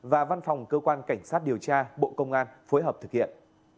và văn phòng cơ quan cảnh sát điều tra bộ công an phối hợp thực hiện